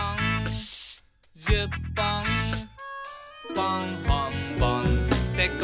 「ぽんほんぼんってこんなこと」